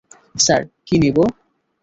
Sir, কী নিব?